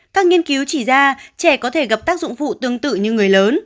các nghiên cứu chỉ ra trẻ có thể gặp tác dụng phụ tương tự như người lớn